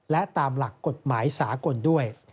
และตามหลักกฎหมายสากลด้วย